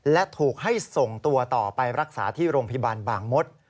และถูกให้ส่งตัวต่อไปรักษาที่โรงพยาบาลบางมศ